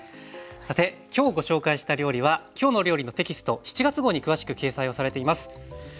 さて今日ご紹介した料理は「きょうの料理」のテキスト７月号に詳しく掲載をされています。